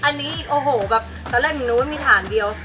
อันนี้อีกโอโหแบบแบบตอนแรกหนึ่งนู้นไม่มีฐานเดียว